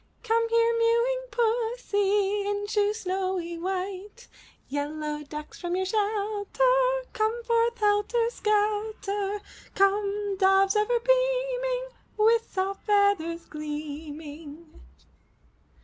Come here, mewing pussie, In shoes snowy white. Yellow ducks from your shelter, Come forth, helter skelter. 361 MY BOOK HOUSE Come, doves ever beaming, With soft feathers gleaming!